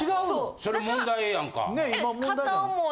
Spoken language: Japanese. それ問題やんか。